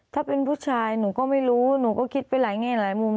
ถ้าเป็นผู้ชายหนูก็ไม่รู้หนูก็คิดไปหลายแง่หลายมุม